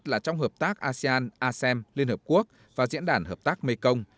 liên hợp quốc và diễn đàn hợp tác mekong